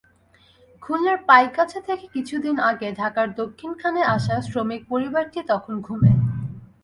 খুলনার পাইকগাছা থেকে কিছুদিন আগে ঢাকার দক্ষিণখানে আসা শ্রমিক পরিবারটি তখন ঘুমে।